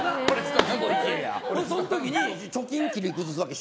その時に貯金切り崩すんや。